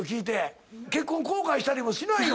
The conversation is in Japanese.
結婚後悔したりしないの？